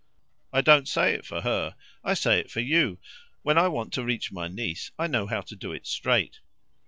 I don't say it for her; I say it for you when I want to reach my niece I know how to do it straight."